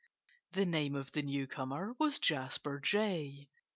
The name of the newcomer was Jasper Jay.